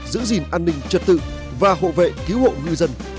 giữ gìn an ninh trật tự và hộ vệ cứu hộ ngư dân